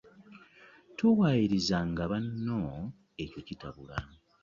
Towayiriza' nga bano ekyo kitabula.